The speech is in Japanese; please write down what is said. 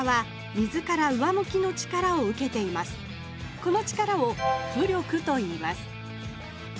この力を浮力といいます。